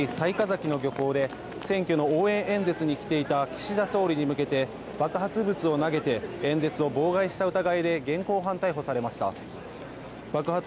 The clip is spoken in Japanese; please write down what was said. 木村容疑者は昨日、和歌山市雑賀崎の漁港で選挙の応援演説に来ていた岸田総理に向けて爆発物を投げて演説を妨害した疑いで現行犯逮捕されました。